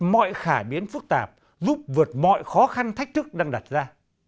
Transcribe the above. mọi khả biến phức tạp giúp vượt mọi khó khăn thách thức đang đặt ra